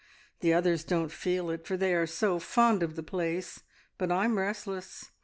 The others don't feel it, for they are so fond of the place; but I'm restless.